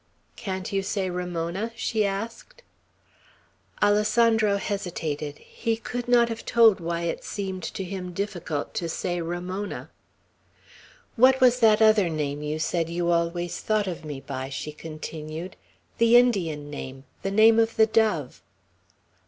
"Can't you say Ramona?" she asked. Alessandro hesitated. He could not have told why it seemed to him difficult to say Ramona. "What was that other name, you said you always thought of me by?" she continued. "The Indian name, the name of the dove?"